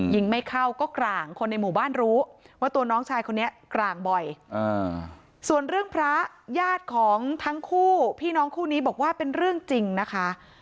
ไม่เข้าก็กลางคนในหมู่บ้านรู้ว่าตัวน้องชายคนนี้กลางบ่อยส่วนเรื่องพระญาติของทั้งคู่พี่น้องคู่นี้บอกว่าเป็นเรื่องจริงนะคะ